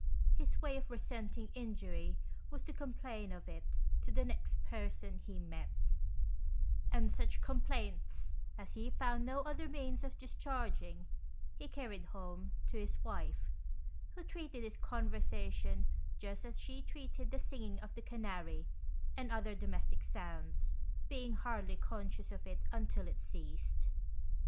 His way of resenting injury was to complain of it to the next person he met, and such complaints as he found no other means of discharging, he carried home to his wife, who treated his conversation just as she treated the singing of the canary, and other domestic sounds, being hardly conscious of it until it ceased.